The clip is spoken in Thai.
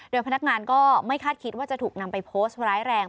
โดยพนักงานก็ไม่คาดคิดว่าจะถูกนำไปโพสต์ร้ายแรง